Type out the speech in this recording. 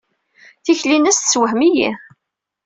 Tikli-nnes tessewhem-iyi.